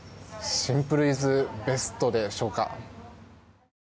シンプルイズベストでしょうか。